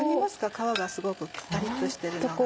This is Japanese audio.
皮がすごくパリっとしてるのが。